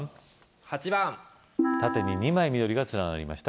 ８番縦に２枚緑が連なりました